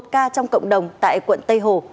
một ca trong cộng đồng tại quận tây hồ